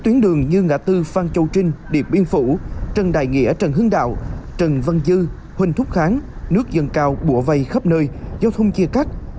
tuyến đường như ngã tư phan châu trinh điện biên phủ trần đại nghĩa trần hương đạo trần văn dư huỳnh thúc kháng nước dân cao bùa vây khắp nơi giao thông chia cắt